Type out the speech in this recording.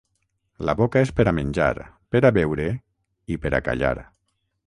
La boca és per a menjar, per a beure i per a callar.